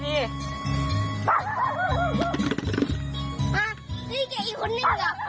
อ่ะนี่แกอีกคนนึงเหรอ